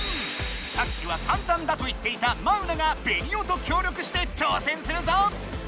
さっきは簡単だと言っていたマウナがベニオと協力してちょうせんするぞ！